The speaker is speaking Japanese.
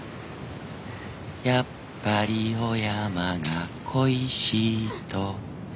「やっぱりお山が恋しいと」